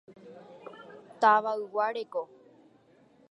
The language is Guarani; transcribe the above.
Tavaygua reko.